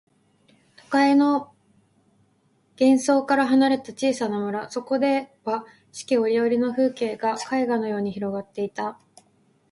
都会の喧騒から離れた小さな村、そこでは四季折々の風景が絵画のように広がっていた。